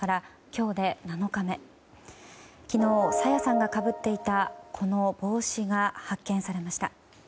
昨日、朝芽さんがかぶっていたこの帽子が発見されました。